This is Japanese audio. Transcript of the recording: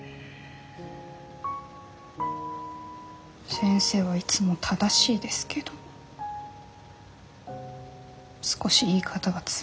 先生はいつも正しいですけど少し言い方が冷たいです。